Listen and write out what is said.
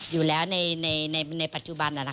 อยู่แล้วในปัจจุบัน